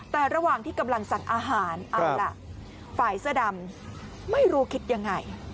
แต่ระหว่างที่กำลังสั่งอาหารเอาล่ะฝ่ายเสื้อดำไม่รู้คิดยังไง